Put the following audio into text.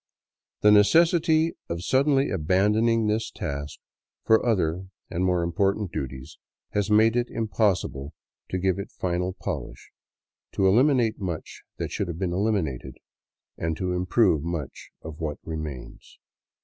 The necessity of suddenly abandoning this task for other and more important duties has made it impossible to give it final polish, to eliminate much that should have been eliminated, and to improve much of what remains.